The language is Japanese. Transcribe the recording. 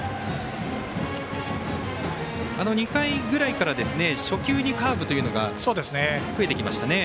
２回ぐらいから初球にカーブというのが増えてきましたね。